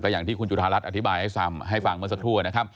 อย่างที่คุณจุธารัฐอธิบายให้ฟังเมื่อสักครู่นะครับ